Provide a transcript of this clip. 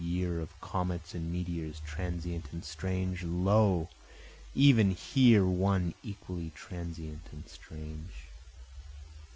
Year of comets and meteors transient and strange lo! even here one equally transient and strange!